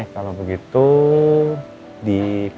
ini buka sendiri